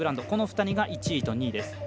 この２人が１位と２位です。